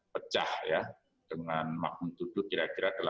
pecah ya dengan makmum tuduh kira kira